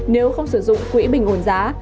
nếu không sử dụng quỹ bình ổn giá